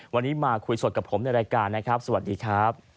วันนี้มาคุยสดกับผมในรายการนะครับสวัสดีครับ